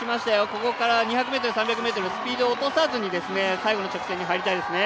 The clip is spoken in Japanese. ここから２００ｍ、３００ｍスピードを落とさずに最後の直線に入りたいですね。